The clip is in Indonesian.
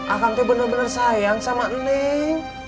akang teh bener bener sayang sama eneng